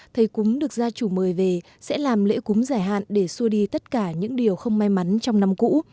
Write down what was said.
thầy cúng được gia chủ mời về sẽ làm lễ cúng giải hạn để xua đi tất cả những điều không may mắn trong năm cũ